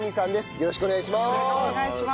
よろしくお願いします。